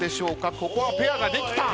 ここはペアができた。